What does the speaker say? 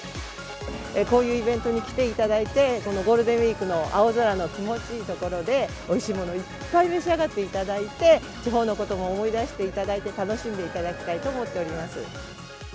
こういうイベントに来ていただいて、このゴールデンウィークの青空の気持ちいい所で、おいしいものをいっぱい召し上がっていただいて、地方のことも思い出していただいて、楽しんでいただきたいと思っております。